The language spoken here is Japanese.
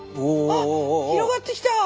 あっ広がってきた。